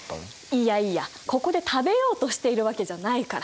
いやいやここで食べようとしているわけじゃないから。